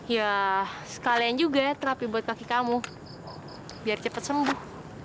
ya sekalian juga terapi buat kaki kamu biar cepat sembuh